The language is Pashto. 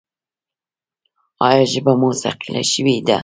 ایا ژبه مو ثقیله شوې ده؟